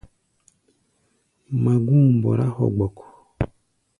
Magú̧u̧ mbɔrá hogbok.